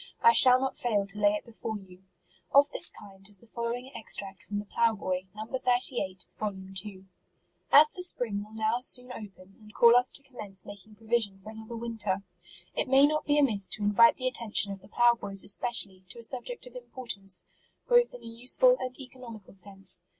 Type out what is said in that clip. I shall not fail to lay it before you. Of this kind is the following extract from the Plough Boy, No. 38, vol. 2. " As the spring will now soon open, and call us to commence making provision for another winter, it may not be amiss to invite the attention of the plough boys especially, to a subject of importance, both in a useful and economical sense.